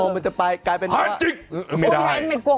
หาจิ้งไม่ได้